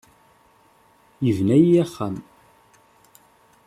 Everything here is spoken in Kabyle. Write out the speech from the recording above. Yebna-iyi axxam.